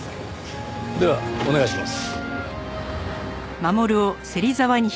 ではお願いします。